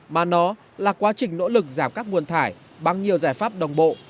mà nó là quá trình nỗ lực giảm các nguồn thải bằng nhiều giải pháp đồng bộ